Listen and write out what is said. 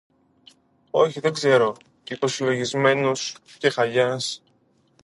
Όχι, δεν ξέρω, είπε συλλογισμένος ο Κεχαγιάς.